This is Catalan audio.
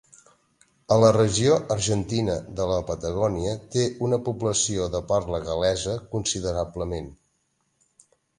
A la regió argentina de la Patagònia té una població de parla gal·lesa considerablement.